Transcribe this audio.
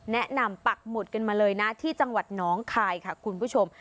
แนะนำปักหมุดกันมาเลยนะที่จังหวัดน้องคายค่ะคุณผู้ชม